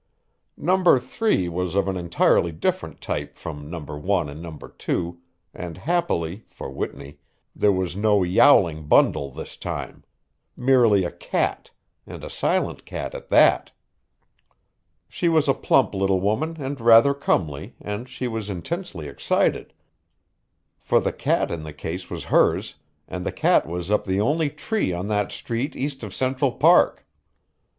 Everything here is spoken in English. No. 3 was of an entirely different type from No. 1 and No. 2, and, happily for Whitney, there was no yowling bundle this time merely a cat, and a silent cat at that. She was a plump little woman and rather comely and she was intensely excited, for the cat in the case was hers and the cat was up the only tree on that street east of Central Park.